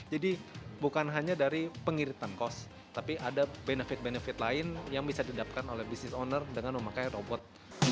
jadi bukan hanya dari pengiritan kos tapi ada benefit benefit lain yang bisa didapatkan oleh bisnis owner dengan memakai robot